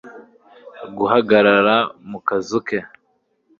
Guhagarara mu kazu ke